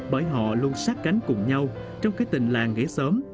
bởi họ luôn sát cánh cùng nhau trong cái tình làng nghỉ xóm